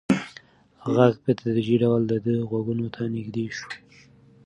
غږ په تدریجي ډول د ده غوږونو ته نږدې شو.